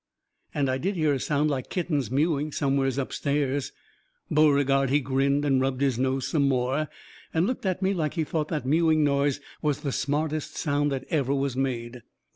And I did hear a sound like kittens mewing, somewheres up stairs. Beauregard, he grinned and rubbed his nose some more, and looked at me like he thought that mewing noise was the smartest sound that ever was made.